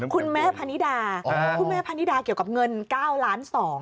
คุณแม่พันธิดาเกี่ยวกับเงิน๙ล้าน๒